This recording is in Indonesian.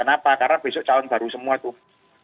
kenapa karena besok calon baru semua tuh